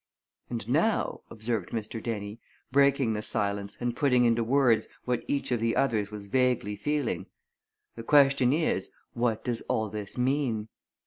"And now," observed Mr. Dennie, breaking the silence and putting into words what each of the others was vaguely feeling, "the question is what does all this mean?